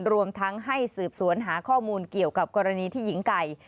รวมทั้งให้สืบสวนหาข้อมูลเกี่ยวกับกรณีที่หญิงไก่